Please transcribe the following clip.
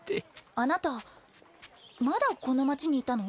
あなたまだこの町にいたの？